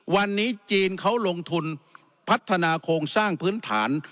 วันนี้จีนเขาลงทุนพัฒนาโครงสร้างพื้นฐาน